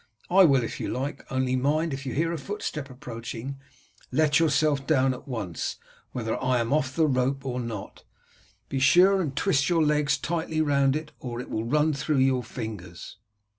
I will if you like, only mind if you hear a footstep approaching let yourself down at once whether I am off the rope or not. Be sure and twist your legs tightly round it, or it will run through your fingers."